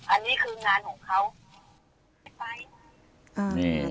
อันนี้คืองานของเขา